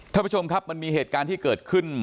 ท่านผู้ชมครับมันมีเหตุการณ์ที่เกิดขึ้น